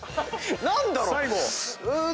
何だろう？